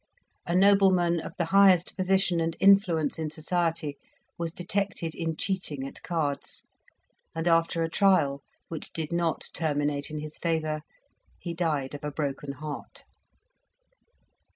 A nobleman of the highest position and influence in society was detected in cheating at cards, and after a trial, which did not terminate in his favour, he died of a broken heart.